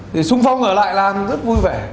thì sung phong ở lại là rất vui vẻ